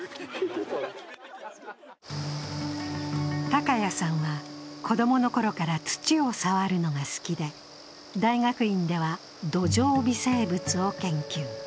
高谷さんは子供のころから土を触るのが好きで、大学院では土壌微生物を研究。